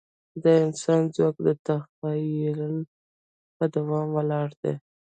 د انسان ځواک د تخیل په دوام ولاړ دی.